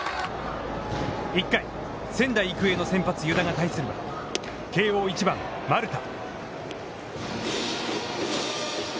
１回、仙台育英の先発湯田が対するは、慶応１番丸田。